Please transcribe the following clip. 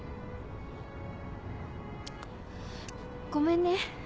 ごめんね。